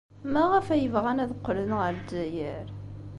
Maɣef ay bɣan ad qqlen ɣer Lezzayer?